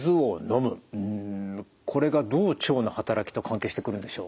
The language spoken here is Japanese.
これがどう腸の働きと関係してくるんでしょう？